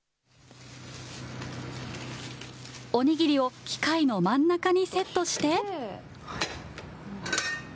お握りを機械の真ん中にセットして。